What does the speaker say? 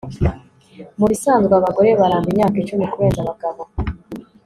mubisanzwe, abagore baramba imyaka icumi kurenza abagabo